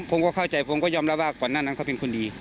ผมก็เข้าใจผมก็ยอมรับว่าก่อนหน้านั้นเขาเป็นคนดี